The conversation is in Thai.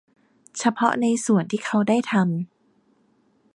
เฉพาะในส่วนที่เขาได้ทำ